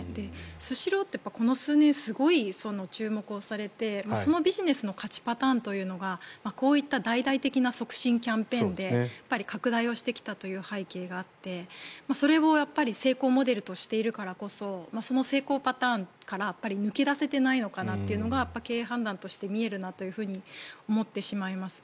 スシローってこの数年すごい注目をされてそのビジネスの勝ちパターンというのがこういった大々的な促進キャンペーンで拡大をしてきたという背景があってそれを成功モデルとしているからこそその成功パターンから抜け出せていないのかなというのが経営判断として見えるなというふうに思ってしまいます。